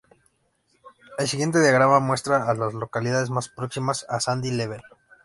El siguiente diagrama muestra a las localidades más próximas a Sandy Level.